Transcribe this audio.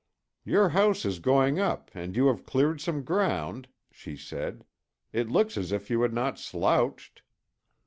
"Your house is going up and you have cleared some ground," she said. "It looks as if you had not slouched."